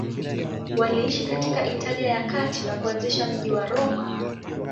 Waliishi katika Italia ya Kati na kuanzisha mji wa Roma.